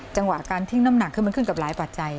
จังหวะการทิ้งน้ำหนักคือมันขึ้นกับหลายปัจจัย